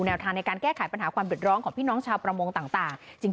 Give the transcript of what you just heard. แนวทางในการแก้ไขปัญหาความบิดร้องของพี่น้องชาวประมงต่าง